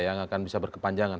yang akan bisa berkepanjangan